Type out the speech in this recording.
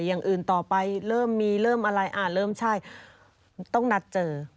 อย่างอื่นต่อไปเริ่มมีเริ่มอะไรอ่าเริ่มใช่ต้องนัดเจอ